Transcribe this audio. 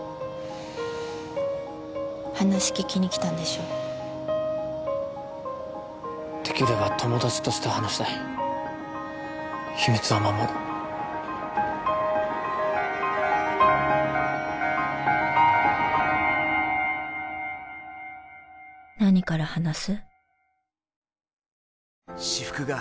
話聞きに来たんでしょできれば友達として話したい秘密は守る何から話す？